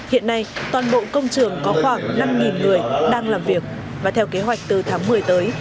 hiện nay toàn bộ công trường có khoảng năm người đang làm việc và theo kế hoạch từ tháng một mươi tới